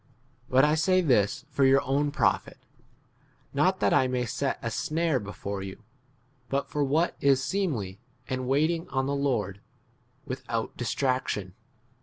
But I say this for your own profit ; not that I may set a snare before you, but for what [is] seemly, and waiting on the Lord 36 without distraction.